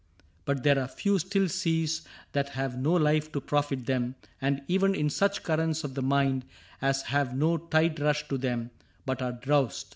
— But there are few Still seas that have no life to profit them. And even in such currents of the mind As have no tide rush to them, but are drowsed.